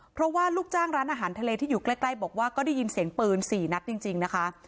เพราะว่าลูกจ้างร้านอาหารทะเลที่อยู่ใกล้บอกว่าก็ได้ยินเสียงปืน๔นัดจริงนะคะ